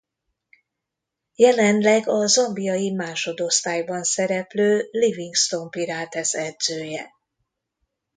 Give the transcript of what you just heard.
Jelenleg a zambiai másodosztályban szereplő Livingstone Pirates edzője.